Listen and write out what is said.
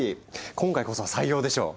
今回こそは採用でしょう？